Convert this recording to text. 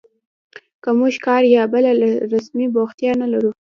که موږ کار یا بله رسمي بوختیا نه لرو